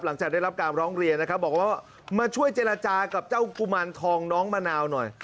หลังจากได้รับการร้องเรียนนะครับบอกว่ามาช่วยเจรจากับเจ้ากุมารทองน้องมะนาวหน่อย